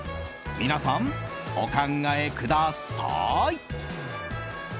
皆さん、お考えください！